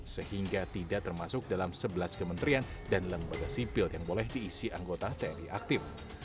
sehingga tidak termasuk dalam sebelas kementerian dan lembaga sipil yang boleh diisi anggota tni aktif